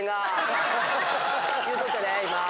いうとったで今。